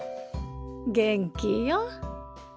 元気よ。